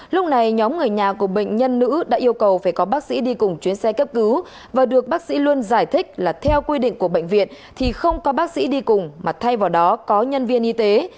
lúc này nhóm người nhà của bệnh nhân nữ đã yêu cầu phải có bác sĩ đi cùng chuyến xe cấp cứu và được bác sĩ luôn giải thích là theo quy định của bệnh viện thì không có bác sĩ đi cùng mà thay vào đó có nhân viên y tế